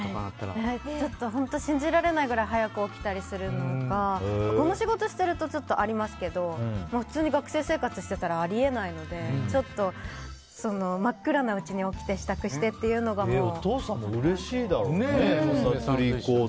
信じられないくらい早く起きたりするのがこの仕事していたらありますけど普通に学生生活してたらあり得ないので真っ暗なうちに起きて支度してっていうのがもう。